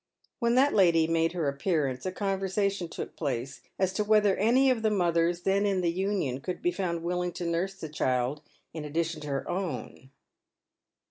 "When that lady made her appearance, a conversation took place as to whether any of the mothers then in the Union could be found willing to nurse the child in addition to her own.